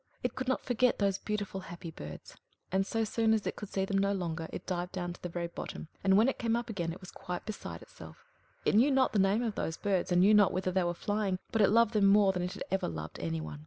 it could not forget those beautiful, happy birds; and so soon as it could see them no longer, it dived down to the very bottom, and when it came up again it was quite beside itself. It knew not the name of those birds, and knew not whither they were flying; but it loved them more than it had ever loved any one.